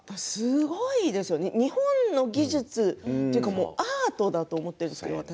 日本の技術、というかアートだと思っているんです私。